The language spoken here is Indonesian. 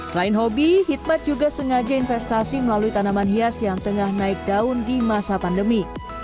selain hobi hidmat juga sengaja investasi melalui tanaman hias yang tengah naik daun di masa pandemi